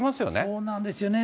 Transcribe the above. そうなんですよね。